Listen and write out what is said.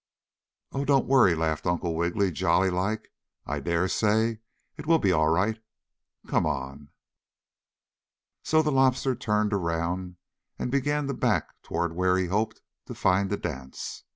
"Oh, don't worry!" laughed Uncle Wiggily, jolly like. "I dare say it will be all right. Come on!" So the lobster turned around and began to back toward where he hoped to find the dance.